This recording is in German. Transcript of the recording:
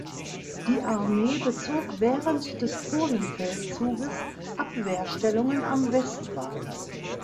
Die Armee bezog während des Polenfeldzuges Abwehrstellungen am Westwall.